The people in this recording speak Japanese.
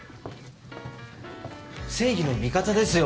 正義の味方ですよ